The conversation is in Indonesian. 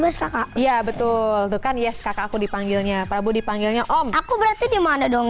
besok iya betul bukan yes kakakku dipanggilnya prabu dipanggilnya om aku berarti dimana dong